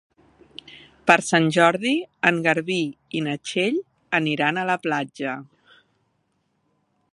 Per Sant Jordi en Garbí i na Txell aniran a la platja.